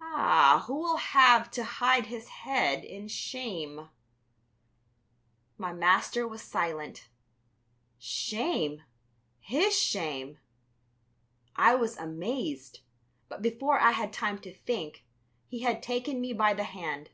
Ah, who will have to hide his head in shame?" My master was silent. Shame! His shame! I was amazed, but before I had time to think, he had taken me by the hand.